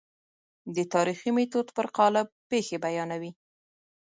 د تاریخي میتود پر قالب پېښې بیانوي.